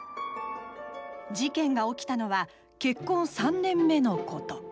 事件が起きたのは結婚３年目のこと。